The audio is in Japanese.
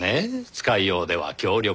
使いようでは強力な。